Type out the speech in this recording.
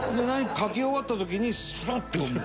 書き終わった時にスパッてこう。